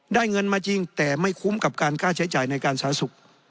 ได้เงินมาจริงแต่ไม่คุ้มกับการกาศใช้จ่ายในการประชาสุข